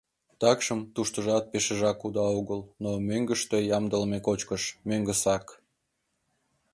Такшым, туштыжат пешыжак уда огыл, но мӧҥгыштӧ ямдылыме кочкыш — мӧҥгысак».